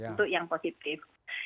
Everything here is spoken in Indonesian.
itu yang positif